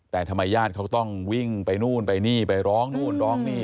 แต่ทำไมญาติเขาต้องวิ่งไปนู่นไปนี่ไปร้องนู่นร้องนี่